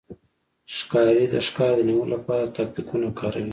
ښکاري د ښکار د نیولو لپاره تاکتیکونه کاروي.